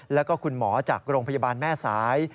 แล้วก็คุณหมอจากโรงพยาบาลแม่สาย